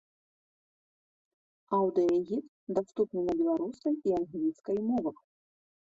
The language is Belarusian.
Аўдыягід даступны на беларускай і англійскай мовах.